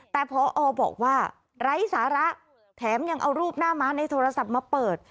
แต่พอบอกว่าไร้สาระแถมยังเอารูปหน้าม้าในโทรศัพท์มาเปิด